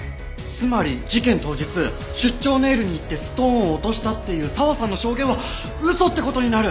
つまり事件当日出張ネイルに行ってストーンを落としたっていう佐和さんの証言は嘘って事になる！